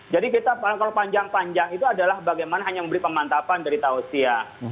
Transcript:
jadi kalau panjang panjang itu adalah bagaimana hanya memberi pemantapan dari tausiyah